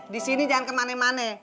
di sini jangan ke mane mane